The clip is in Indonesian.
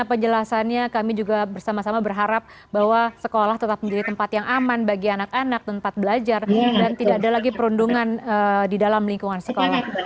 penjelasannya kami juga bersama sama berharap bahwa sekolah tetap menjadi tempat yang aman bagi anak anak tempat belajar dan tidak ada lagi perundungan di dalam lingkungan sekolah